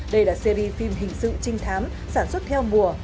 đây là series phim hình sự trinh thám sản xuất theo mùa